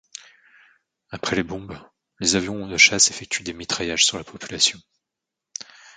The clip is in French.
Après les bombes les avions de chasse effectuent des mitraillages sur la population.